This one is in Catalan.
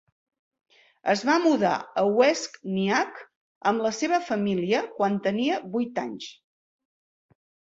Es va mudar a West Nyack amb la seva família quan tenia vuit anys.